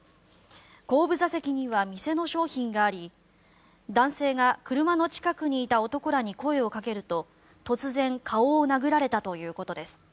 後部座席には店の商品があり男性が車の近くにいた男らに声をかけると突然顔を殴られたということです。